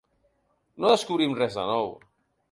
No descobrim res de nou.